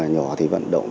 nhỏ thì vận động